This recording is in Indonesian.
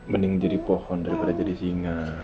bening jadi pohon daripada jadi singa